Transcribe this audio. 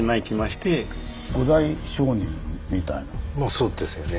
そうですよね。